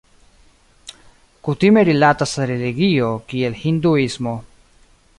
Kutime rilatas al religio, kiel Hinduismo.